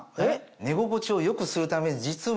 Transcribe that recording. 寝心地を良くするために実は。